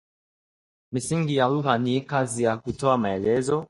msingi ya lugha ni kazi ya kutoa maelezo